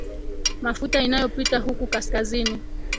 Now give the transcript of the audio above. mafuta inayopita huku kaskazini